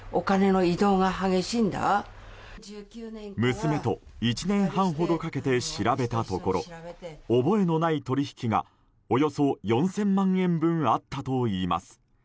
娘と１年半ほどかけて調べたところ覚えのない取引がおよそ４０００万円分あったといいます。